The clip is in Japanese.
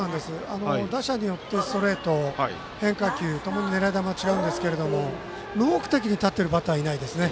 打者によってストレート、変化球狙い球は違うんですけど無目的に立っているバッターいないですね。